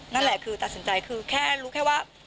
นั่นแหละคือตัดสินใจคือแค่รู้แค่ว่า